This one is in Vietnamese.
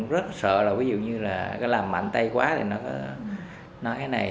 rất sợ là ví dụ như là làm mạnh tay quá thì nó có nói cái này